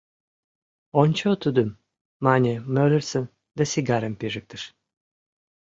— Ончо тудым! — мане Мӧллерсон да сигарым пижыктыш.